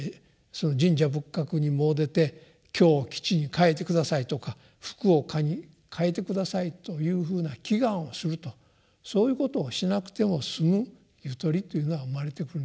その神社仏閣に詣でて凶を吉に変えて下さいとか福を禍に変えて下さいというふうな祈願をするとそういうことをしなくても済むゆとりというのが生まれてくるのではないかと。